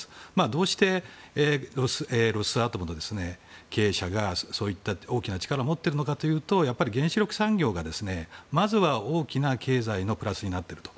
どうしてロスアトムと経営者がそうした大きな力を持っているかといったら原子力産業が、まずは大きな経済のプラスになっていると。